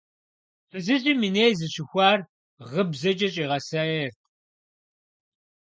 Фызыжьым и ней зыщыхуар гыбзэкӏэ щӏигъэсаерт.